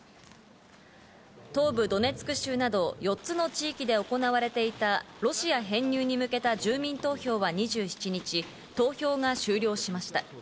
東部ドネツク州など、４つの地域で行われていたロシア編入に向けた住民投票は２７日、投票が終了しました。